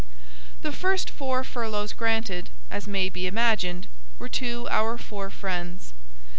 The first four furloughs granted, as may be imagined, were to our four friends.